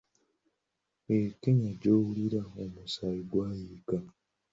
"Eyo Kenya gy’owulira, omusaayi gwayiika."